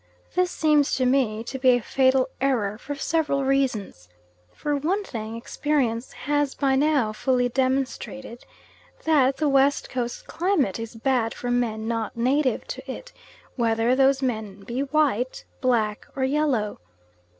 This seems to me to be a fatal error, for several reasons. For one thing, experience has by now fully demonstrated that the West Coast climate is bad for men not native to it, whether those men be white, black, or yellow.